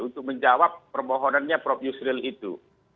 untuk menjawab permohonannya prof yusril itu